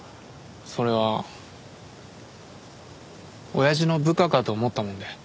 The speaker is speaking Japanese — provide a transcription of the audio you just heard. それは親父の部下かと思ったもんで。